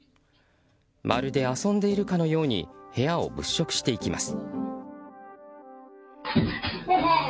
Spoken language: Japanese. まるで遊んでいるかのように部屋を物色していきます。